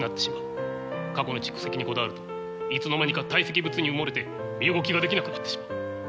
過去の蓄積にこだわるといつの間にか堆積物に埋もれて身動きができなくなってしまう。